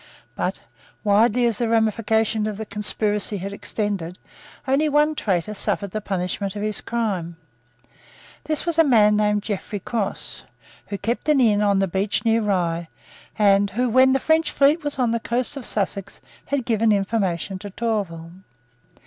But, widely as the ramifications of the conspiracy had extended, only one traitor suffered the punishment of his crime. This was a man named Godfrey Cross, who kept an inn on the beach near Rye, and who, when the French fleet was on the coast of Sussex, had given information to Tourville.